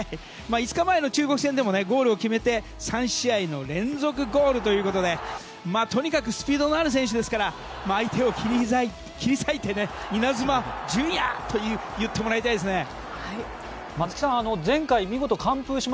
５日前の中国戦でもゴールを決めて３試合連続ゴールということでとにかくスピードのある選手ですから相手を切り裂いてイナズマ純也！と言ってもらいたいですね。